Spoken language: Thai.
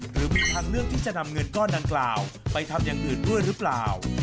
หรือมีทางเลือกที่จะนำเงินก้อนดังกล่าวไปทำอย่างอื่นด้วยหรือเปล่า